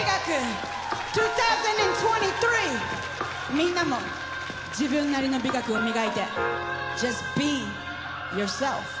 みんなも自分なりの美学を磨いてジャスト・ビー・ユアセルフ。